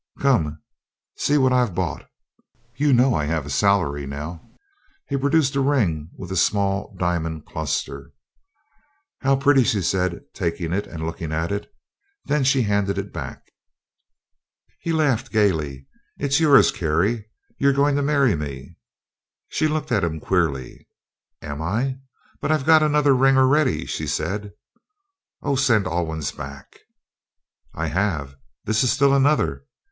"Come. See what I've bought. You know I have a salary now." He produced a ring with a small diamond cluster. "How pretty!" she said, taking it and looking at it. Then she handed it back. He laughed gayly. "It's yours, Carrie. You're going to marry me." She looked at him queerly. "Am I? But I've got another ring already," she said. "Oh, send Alwyn's back." "I have. This is still another."